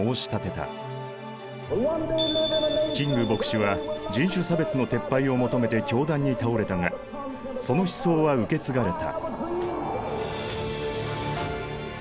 キング牧師は人種差別の撤廃を求めて凶弾に倒れたがその思想は受け継がれた。